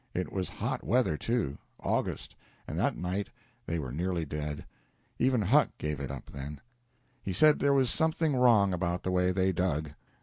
It was hot weather, too August and that night they were nearly dead. Even Huck gave it up then. He said there was something wrong about the way they dug.